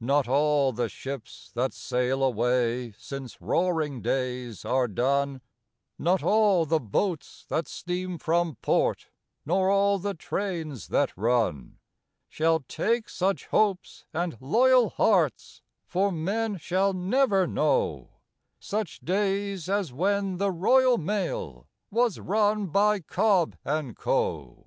Not all the ships that sail away since Roaring Days are done Not all the boats that steam from port, nor all the trains that run, Shall take such hopes and loyal hearts for men shall never know Such days as when the Royal Mail was run by Cobb and Co.